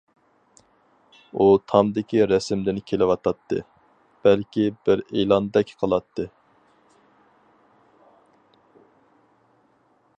ئۇ تامدىكى رەسىمدىن كېلىۋاتاتتى، بەلكى بىر ئېلاندەك قىلاتتى.